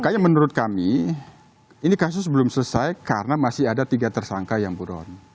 makanya menurut kami ini kasus belum selesai karena masih ada tiga tersangka yang buron